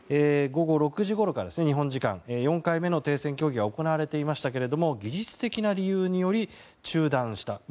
午後６時ごろから日本時間４回目の停戦協議が行われていましたけれども技術的な理由により中断した。